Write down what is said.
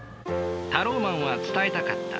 タローマンは伝えたかった。